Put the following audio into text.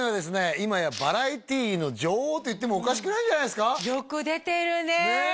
いまやバラエティの女王といってもおかしくないんじゃないんですかよく出てるねねえ